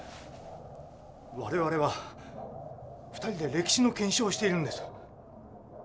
我々は２人で歴史の検証をしているんです。